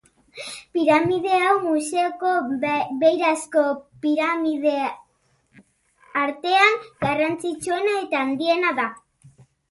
Piramide hau, museoko beirazko piramideen artean, garrantzitsuena eta handiena da.